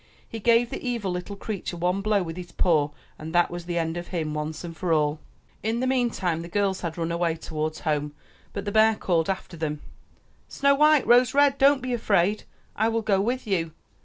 He gave the evil little creature one blow with his paw and that was the end of him once and for all. In the meantime, the girls had run away towards home, but the bear called after them, *'Snow white, Rose red, stop ! Don't be afraid. I will go with you."